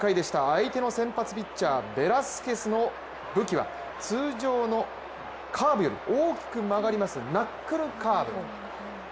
相手の先発ピッチャーベラスケスの武器は、通常のカーブより大きく曲がります